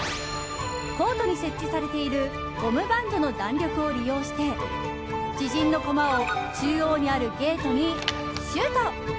コートに設置されているゴムバンドの弾力を利用して自陣の駒を中央にあるゲートにシュート。